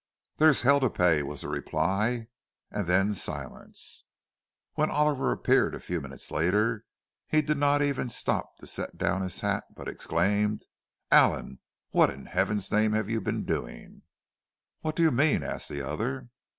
"There's hell to pay," was the reply—and then silence. When Oliver appeared, a few minutes later, he did not even stop to set down his hat, but exclaimed, "Allan, what in heaven's name have you been doing?" "What do you mean?" asked the other.